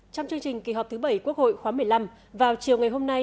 trong chương trình kỳ họp thứ bảy quốc hội khóa một mươi năm vào chiều ngày hôm nay